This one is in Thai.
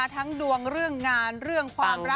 ทั้งดวงเรื่องงานเรื่องความรัก